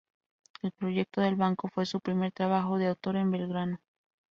El proyecto del Banco fue su primer trabajo de autor en Belgrado.